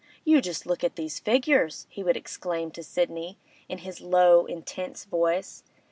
'You just look at these figures!' he would exclaim to Sidney, in his low, intense voice.